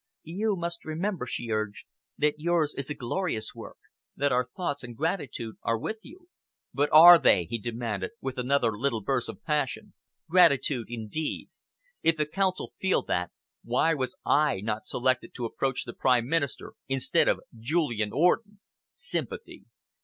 "You must remember," she urged, "that yours is a glorious work; that our thoughts and gratitude are with you." "But are they?" he demanded, with another little burst of passion. "Gratitude, indeed! If the Council feel that, why was I not selected to approach the Prime Minister instead of Julian Orden? Sympathy!